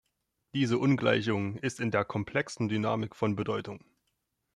Diese Ungleichung ist in der komplexen Dynamik von Bedeutung.